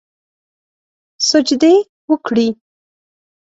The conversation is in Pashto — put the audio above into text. سجدې وکړي